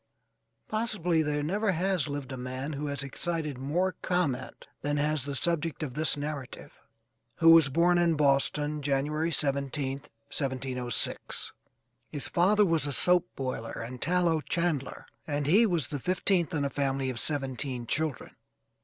Possibly there never has lived a man who has excited more comment than has the subject of this narrative, who was born in Boston, January 17th, 1706. His father was a soap boiler and tallow chandler, and he was the fifteenth in a family of seventeen children.